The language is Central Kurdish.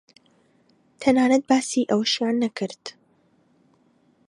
تەنانەت باسی ئەوەشیان نەکرد